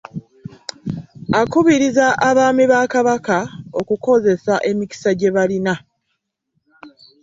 Akubirizza abaami ba Kabaka okukozesa emikisa gye balina.